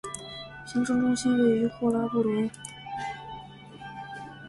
行政中心位于霍拉布伦。